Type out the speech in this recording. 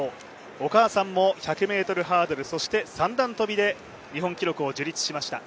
お母さんも１００ｍハードルそして三段跳で日本記録を樹立しました。